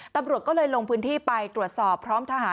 ตำรวจก็เลยลงพื้นที่ไปตรวจสอบพร้อมทหาร